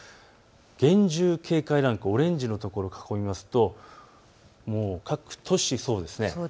厳重警戒ランク、オレンジのところ、各都市、そうです。